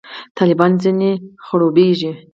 طالبان ځنې خړوبېږي.